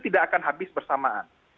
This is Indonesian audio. tidak akan habis bersamaan